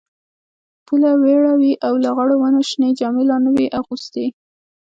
پوله وپړه وې او لغړو ونو شنې جامې لا نه وې اغوستي.